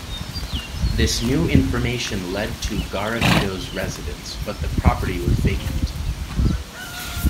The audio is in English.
This new information led them to Garavito's residence, but the property was vacant.